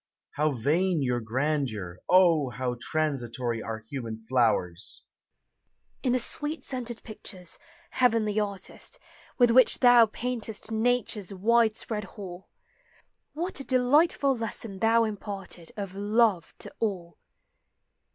How vain your grandeur! ah, how transitory Are human flowers ' In the sweet scented pictures, heavenlj artist, With which thou paintesl Nature's wide spi hall, What a delightful lesson thou imparted Of love to all